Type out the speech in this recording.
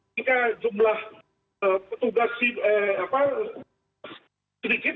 jika jumlah petugas sedikit